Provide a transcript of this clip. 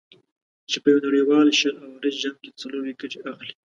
چې په یو نړیوال شل اوریز جام کې څلور ویکټې اخلي.